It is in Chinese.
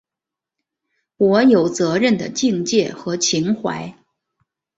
我有责任的境界和情怀